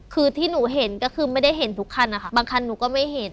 คือที่หนูเห็นก็คือไม่ได้เห็นทุกคันนะคะบางคันหนูก็ไม่เห็น